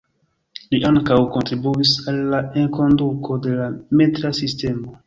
Li ankaŭ kontribuis al la enkonduko de la metra sistemo.